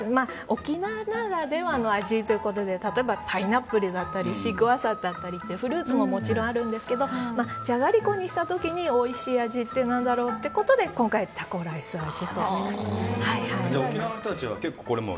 沖縄ならではの味ということでパイナップルだったりシークワーサーだったりというフルーツももちろんあるんですけどじゃがりこにした時においしい味って何だろうということで今回タコライス味。